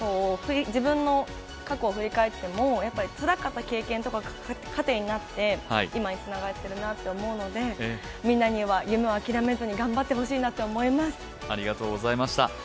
自分の過去を振り返っても、つらかった経験とかが糧になって今につながってるなと思うので、みんなには夢を諦めずに頑張ってほしいなと思います。